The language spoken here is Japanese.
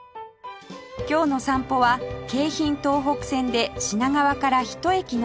今日の散歩は京浜東北線で品川からひと駅の大井町